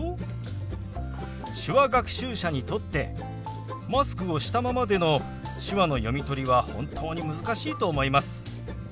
手話学習者にとってマスクをしたままでの手話の読み取りは本当に難しいと思います。